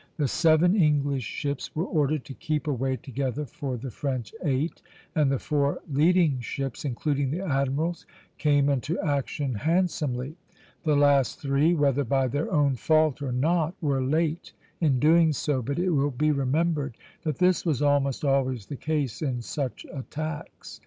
The seven English ships were ordered to keep away together for the French eight, and the four leading ships, including the admiral's, came into action handsomely; the last three, whether by their own fault or not, were late in doing so, but it will be remembered that this was almost always the case in such attacks.